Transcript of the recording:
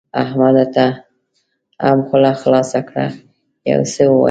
احمده ته هم خوله خلاصه کړه؛ يو څه ووايه.